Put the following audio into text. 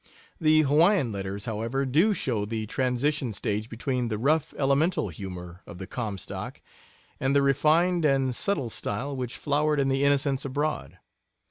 The Hawaiian letters, however, do show the transition stage between the rough elemental humor of the Comstock and the refined and subtle style which flowered in the Innocents Abroad.